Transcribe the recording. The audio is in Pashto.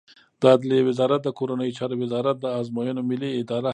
د عدلیې وزارت د کورنیو چارو وزارت، د ازموینو ملی اداره